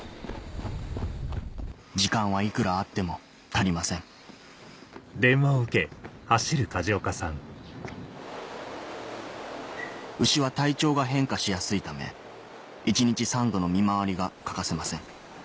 時間はいくらあっても足りません牛は体調が変化しやすいため一日３度の見回りが欠かせません